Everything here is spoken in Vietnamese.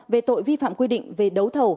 về tội vi phạm quy định về đấu thầu